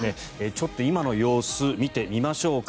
ちょっと今の様子見てみましょうか。